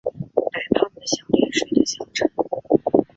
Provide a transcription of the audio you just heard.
白胖的小脸睡的香沉